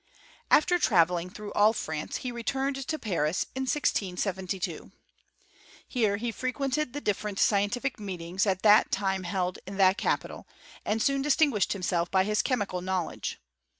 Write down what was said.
After travelling through all France, he returned tO" Paris in 1672. Here he frequented the different scientific meetings at that time held in that capital,^ and soon distinguished himself by his chemical know ' ledge.